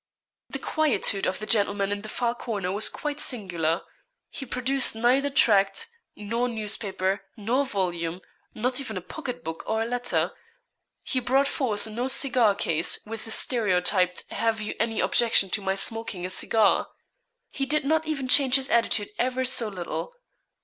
The quietude of the gentleman in the far corner was quite singular. He produced neither tract, nor newspaper, nor volume not even a pocket book or a letter. He brought forth no cigar case, with the stereotyped, 'Have you any objection to my smoking a cigar?' He did not even change his attitude ever so little.